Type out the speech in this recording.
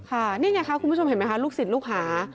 ค่ะนี่ไงคะคุณผู้ชมเห็นไหมคะลูกศิษย์ลูกหา